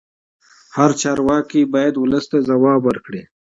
هر چارواکی باید ولس ته ځواب ورکړي